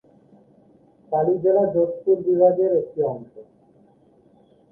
পালি জেলা যোধপুর বিভাগের একটি অংশ।